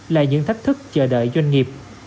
là những thách thức chờ đợi doanh nghiệp